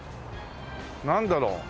なんだろう。